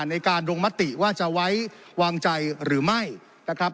ในการลงมติว่าจะไว้วางใจหรือไม่นะครับ